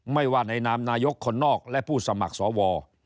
ไม่ว่าในนามนายกคนนอกและผู้สมัครสว